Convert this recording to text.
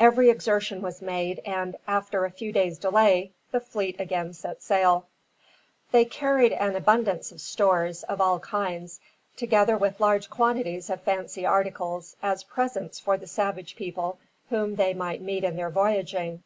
Every exertion was made and, after a few days' delay, the fleet again set sail. They carried an abundance of stores, of all kinds, together with large quantities of fancy articles, as presents for the savage people whom they might meet in their voyaging.